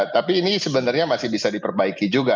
tapi ini sebenarnya masih bisa diperbaiki juga